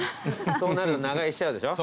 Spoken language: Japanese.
そうなると長居しちゃうでしょ。